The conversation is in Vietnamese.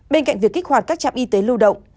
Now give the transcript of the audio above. bên cạnh việc kích hoạt các trạm y tế lưu động